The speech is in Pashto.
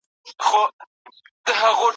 تاسو باید خپلواک اوسئ.